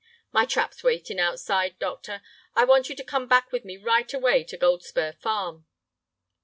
"My trap's waiting outside, doctor. I want you to come back with me right away to Goldspur Farm."